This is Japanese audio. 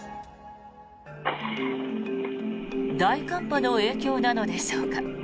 大寒波の影響なのでしょうか。